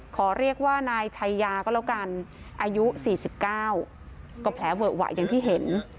ขอเรียกว่านายชัยยาก็แล้วกันอายุ๔๙ก็แผลเวอะหวะอย่างที่เห็น